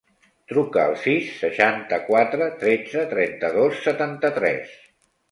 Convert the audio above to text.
Truca al sis, seixanta-quatre, tretze, trenta-dos, setanta-tres.